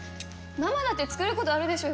ママだって作る事あるでしょ！